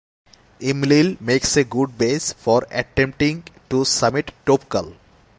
Imlil makes a good base for attempting to summit Toubkal.